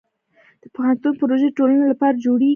د پوهنتون پروژې د ټولنې لپاره جوړېږي.